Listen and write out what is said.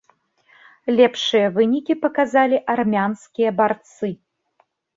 Лепшыя вынікі паказалі армянскія барцы.